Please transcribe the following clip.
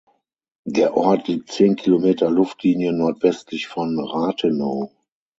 Der Ort liegt zehn Kilometer Luftlinie nordwestlich von Rathenow.